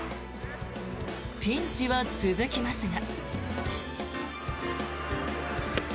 ピンチは続きますが。